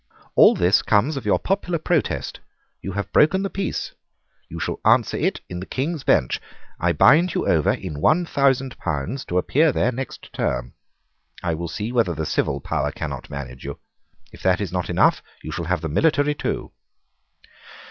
All this comes of your popular protest. You have broken the peace. You shall answer it in the King's Bench. I bind you over in one thousand pounds to appear there next term. I will see whether the civil power cannot manage you. If that is not enough, you shall have the military too."